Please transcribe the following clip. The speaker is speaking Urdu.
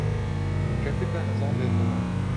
ٹریفک کا نظام بہتر ہو۔